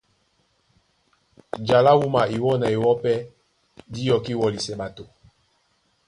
Ja lá wúma iwɔ́ na iwɔ́ pɛ́ dí yɔkí wɔlisɛ ɓato .